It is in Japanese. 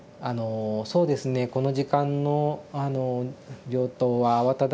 「そうですねこの時間の病棟は慌ただしいね。